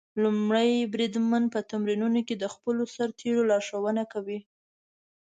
لومړی بریدمن په تمرینونو کې د خپلو سرتېرو لارښوونه کوي.